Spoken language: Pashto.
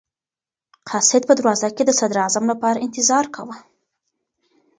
قاصد په دروازه کې د صدراعظم لپاره انتظار کاوه.